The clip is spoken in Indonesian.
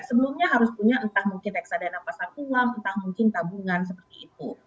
sebelumnya harus punya entah mungkin reksadana pasar uang entah mungkin tabungan seperti itu